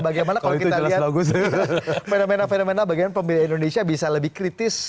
bagaimana kalau kita lihat fenomena fenomena bagaimana pemilih indonesia bisa lebih kritis